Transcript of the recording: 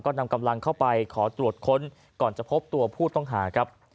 นำกำลังเข้าไปขอตรวจค้นก่อนจะพบตัวผู้ต้องหาครับ